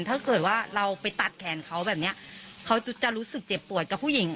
ถ้าเกิดว่าเราไปตัดแขนเขาแบบเนี้ยเขาจะรู้สึกเจ็บปวดกับผู้หญิง